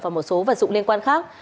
và một số vật dụng liên quan khác